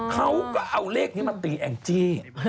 เขาก็เอาเลขนี้มาตีแองจี้